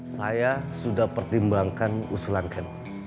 saya sudah pertimbangkan usulan kami